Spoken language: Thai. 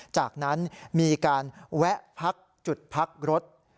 จากนั้นมีการแวะพักจุดพักรถ